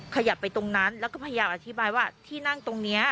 ขยับไปตรงนั้นแล้วก็พยายามอธิบายว่าที่นั่งตรงนี้